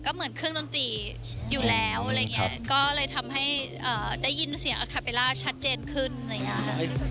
ก็เลยทำให้เอ่อได้ยินเสียงอคาเปลล่าชัดเจนขึ้นนะครับ